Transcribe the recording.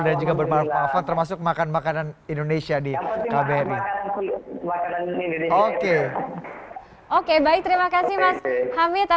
dan juga bermanfaat termasuk makan makanan indonesia di kaberi oke oke baik terima kasih